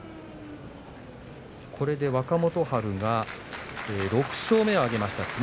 これで若元春が６勝目を挙げました。